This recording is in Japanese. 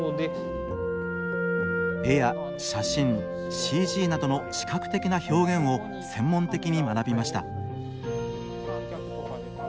絵や写真ＣＧなどの視覚的な表現を専門的に学びました。